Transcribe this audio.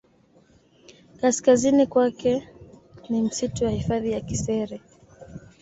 Kaskazini kwake ni msitu wa hifadhi ya Kisere